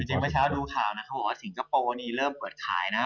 เมื่อเช้าดูข่าวนะเขาบอกว่าสิงคโปร์นี่เริ่มเปิดขายนะ